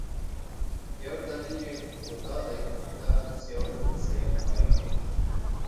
یو دلیل یې خو دا دی چي دا حدیث یوازي په صحیح بخاري کي.